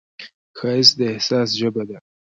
ښایست د احساس ژبه ده